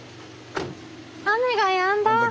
雨がやんだ。